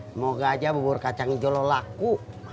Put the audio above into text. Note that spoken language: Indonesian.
semoga aja bubur kacang hijau lo laku